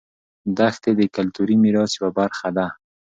دښتې د کلتوري میراث یوه برخه ده.